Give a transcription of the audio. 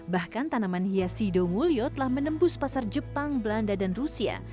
bahkan tanaman hias sido mulyo telah menembus pasar jepang belanda dan rusia